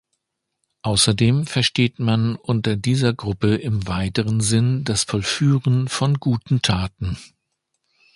Außerdem versteht man unter dieser Gruppe im weiteren Sinn das Vollführen von guten Taten.